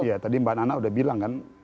ya tadi mbak nana udah bilang kan